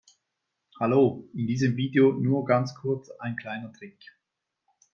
Hallo, in diesem Video nur ganz kurz ein kleiner Trick.